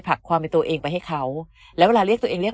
ักความเป็นตัวเองไปให้เขาแล้วเวลาเรียกตัวเองเรียก